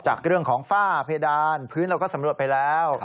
จากเรื่องของฝ้าเพดานพื้นเราก็สำรวจไปแล้ว